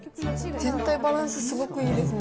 全体バランスすごくいいですね。